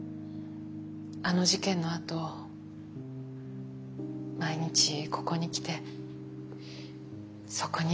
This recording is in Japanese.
あの事件のあと毎日ここに来てそこに座って祈ってた。